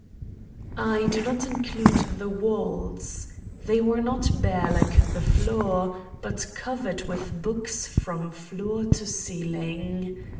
I do not include the walls. They were not bare like the floor, but covered with books from floor to ceiling.